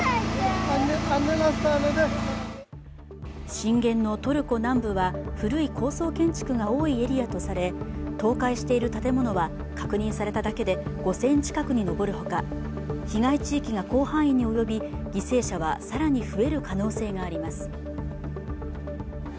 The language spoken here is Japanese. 震源のトルコ南部は古い高層建築が多いエリアとされ倒壊している建物は確認されただけで５０００近くに上るほか被害地域が広範囲に及び、犠牲者は更に増える可能性があります。